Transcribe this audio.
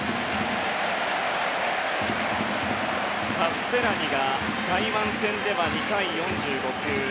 カステラニは台湾戦では２回４５球。